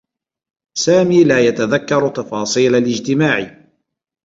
سامي لا يتذكّر تفاصيل الاجتماع.